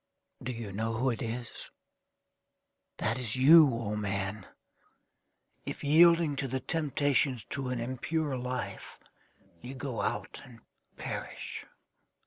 Do you know who it is? That is you, O man, if, yielding to the temptations to an impure life, you go out, and perish.